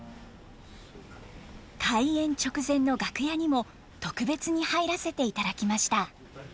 開演直前の楽屋にも特別に入らせていただきました。